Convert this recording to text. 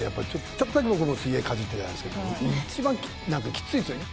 ちょっとだけ僕も水泳かじってたんですけど一番きついですよね。